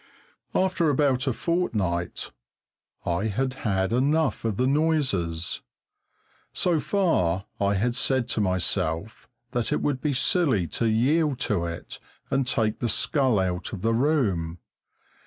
After about a fortnight I had had enough of the noises. So far I had said to myself that it would be silly to yield to it and take the skull out of the room.